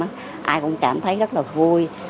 ai cũng cảm thấy rất là vui